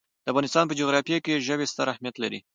د افغانستان په جغرافیه کې ژبې ستر اهمیت لري.